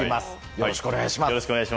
よろしくお願いします。